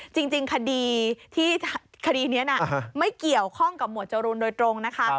จริงคดีที่คดีนี้ไม่เกี่ยวข้องกับหมวดจรูนโดยตรงนะคะ